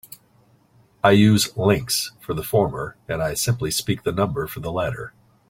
I use "links" for the former and I simply speak the number for the latter.